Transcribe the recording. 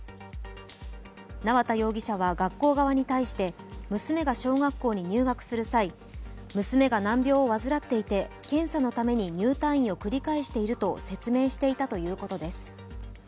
縄田容疑者は学校側に対して、娘が小学校に入学する際、娘が難病を患っていて、検査のために入退院を繰り返していると説明していたということです。